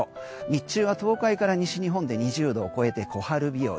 日中は東海から西日本で２０度を超えて小春日和。